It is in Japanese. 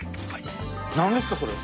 何ですかそれは。